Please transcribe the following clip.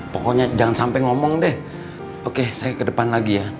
pokoknya jangan sampai ngomong deh oke saya ke depan lagi ya